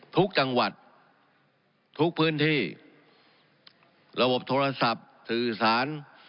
ทุกจังหวัดทุกพื้นที่ระบบโทรศัพท์สื่อสาร